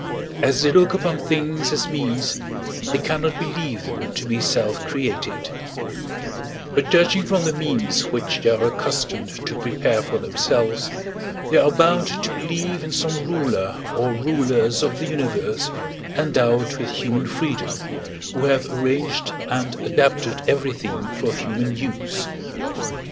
As they look upon things as means, they cannot believe them to be self created; but, judging from the means which they are accustomed to prepare for themselves, they are bound to believe in some ruler or rulers of the universe endowed with human freedom, who have arranged and adapted everything for human use.